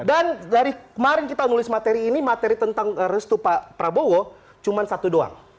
dan dari kemarin kita nulis materi ini materi tentang restu pak prabowo cuma satu doang